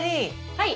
はい。